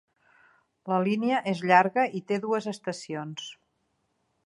La línia és llarga i té dues estacions.